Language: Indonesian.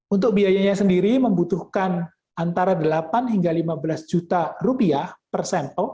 untuk biayanya sendiri membutuhkan antara delapan hingga lima belas juta rupiah per sampel